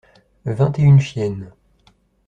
Vingt et une chiennes.